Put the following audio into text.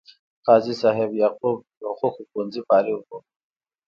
قاضي صاحب یعقوب د حقوقو پوهنځي فارغ و.